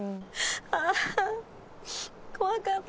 ああ怖かった。